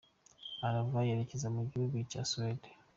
Arahava yerekeza mu gihugu cya Suwede.